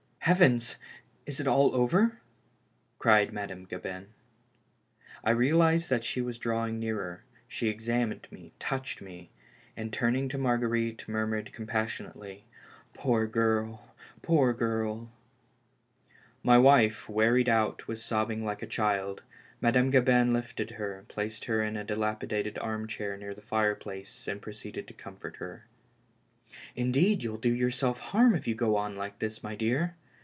"Heavens! is it all over? " cried Madame Gabin. I realized that she was drawing nearer. She exam ined me, touched me, and, turning to Marguerite, mur mured compassionately ;" Poor girl ! poor girl! " 248 THE LAST HOPE. My wife, wearied out, was sobbing like a child. Madame Gabin lifted her, placed her in a dilapidated arm chair near the fire place, and proceeded to comfort her. "Indeed, you'll do yourself harm if you goon like this, my dear.